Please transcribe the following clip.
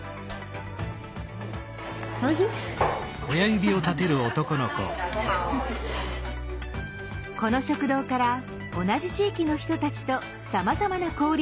この食堂から同じ地域の人たちとさまざまな交流が生まれています。